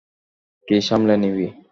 কী সামলে নিবি?